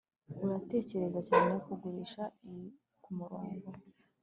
uratekereza cyane kugurisha iyi kumurongo